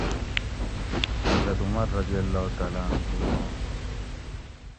حضرت عمر رضی اللّٰہ تعالیٰ عنہ آں واقعہ